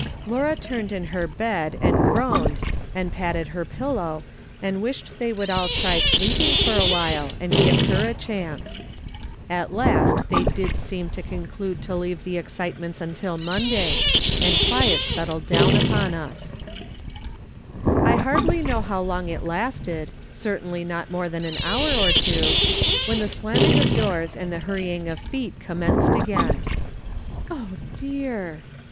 Laura turned in her bed and groaned, and patted her pillow, and wished they would all try sleeping for awhile, and give her a chance. At last they did seem to conclude to leave the excitements until Moudav, and quiet settled down upon us. "/ HAFE TO STAY OUTSIDE AYD JFA/T." 157 I hardly know how long it lasted, certainly not more than an hour or two, when the slamming of doors and the hurrying of feet commenced again. " Oh, dear